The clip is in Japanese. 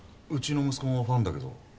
うちの息子もファンだけど。